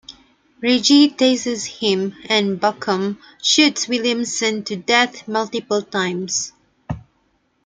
Reggie tases him and Bucum shoots Williamson to death multiple times.